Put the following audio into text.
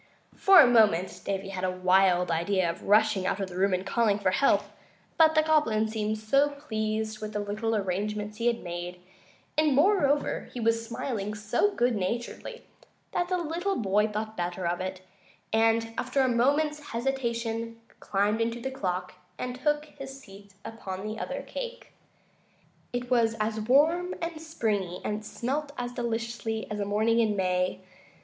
For a moment Davy had a wild idea of rushing out of the room and calling for help; but the Goblin seemed so pleased with the arrangements he had made, and, moreover, was smiling so good naturedly, that the little boy thought better of it, and, after a moment's hesitation, climbed into the clock and took his seat upon the other cake. It was as warm and springy, and smelt as deliciously, as a morning in May.